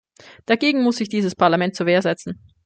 Dagegen muss sich dieses Parlament zur Wehr setzen.